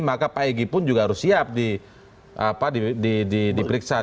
maka pak egy pun juga harus siap diperiksa